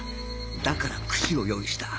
だから串を用意した